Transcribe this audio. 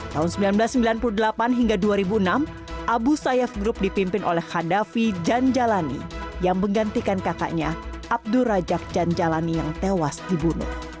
tahun seribu sembilan ratus sembilan puluh delapan hingga dua ribu enam abu sayyaf group dipimpin oleh khadhafi janjalani yang menggantikan kakaknya abdur rajak janjalani yang tewas dibunuh